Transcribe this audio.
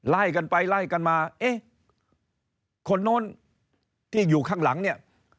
ไล่กันไปไล่กันมาเอ๊ะคนโน้นที่อยู่ข้างหลังเนี่ย